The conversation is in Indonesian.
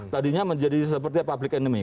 tadinya menjadi seperti public enemy